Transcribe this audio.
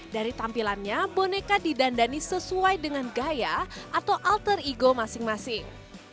dari tampilannya boneka didandani sesuai dengan gaya atau alter ego masing masing